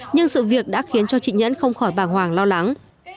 nhưng sự việc đã khiến cho chị nhẫn không khỏi bàng hoàng lo lắng